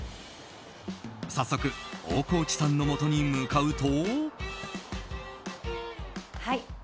早速、大河内さんのもとに向かうと。